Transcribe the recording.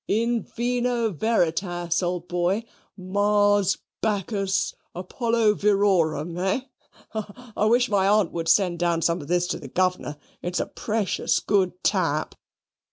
In vino veritas, old boy. Mars, Bacchus, Apollo virorum, hey? I wish my aunt would send down some of this to the governor; it's a precious good tap."